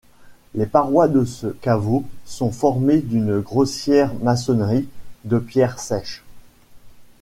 Les parois de ce caveau sont formées d'une grossière maçonnerie de pierres sèches.